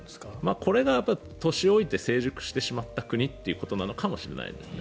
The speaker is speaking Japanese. これが年老いて成熟してしまった国ということなのかもしれないですね。